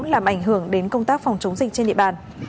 làm ảnh hưởng đến công tác phòng chống dịch trên địa bàn